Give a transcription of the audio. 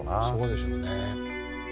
「そうでしょうね。